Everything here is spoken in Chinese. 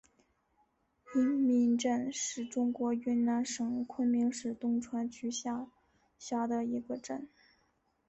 因民镇是中国云南省昆明市东川区下辖的一个镇。